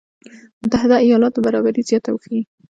متحده ایالاتو برابري زياته وښيي.